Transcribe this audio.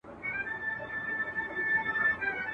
غرغړې ته چي ورځمه د منصور سره مي شپه وه ..